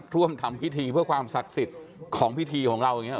ร่วมทำพิธีเพื่อความศักดิ์สิทธิ์ของพิธีของเราอย่างนี้